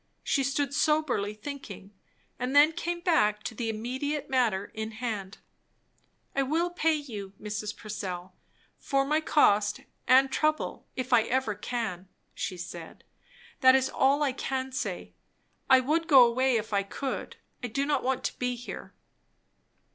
She stood soberly thinking, and then came back to the immediate matter in hand. "I will pay you, Mrs. Purcell, for my cost and trouble, if ever I can," she said. "That is all I can say. I would go away, if I could. I do not want to be here."